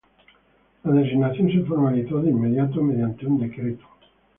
La designación se formalizó de inmediato mediante un Decreto.